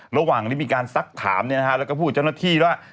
ระหว่างที่มีการซักถามแล้วก็พูดกับเจ้าหน้าที่ว่า